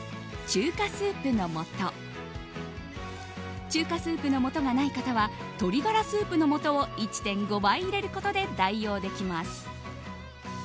中華スープのもとがない方は鶏ガラスープのもとを１．５倍入れることで代用できます。